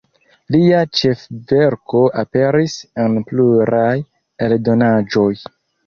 Lia ĉefverko aperis en pluraj eldonaĵoj.